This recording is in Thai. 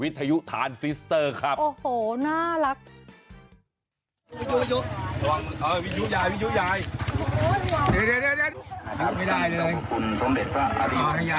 ทานซิสเตอร์ครับโอ้โหน่ารัก